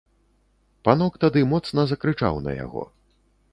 Панок тады моцна закрычаў на яго.